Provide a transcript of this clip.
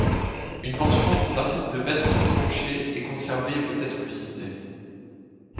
Une portion d'une vingtaine de mètres de tranchée est conservée et peut être visitée.